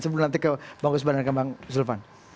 sebelum nanti ke bang usman dan ke bang zulfan